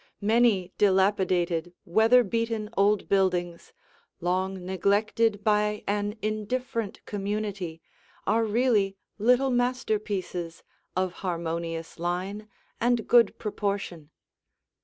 Many dilapidated, weather beaten old buildings, long neglected by an indifferent community, are really little masterpieces of harmonious line and good proportion.